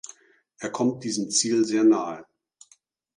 Er kommt diesem Ziel sehr nahe.